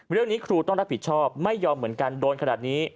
ครูต้องรับผิดชอบไม่ยอมเหมือนกันโดนขนาดนี้